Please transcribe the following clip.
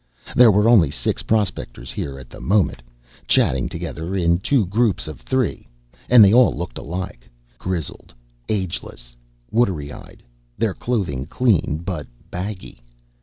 There were only six prospectors here at the moment, chatting together in two groups of three, and they all looked alike. Grizzled, ageless, watery eyed, their clothing clean but baggy.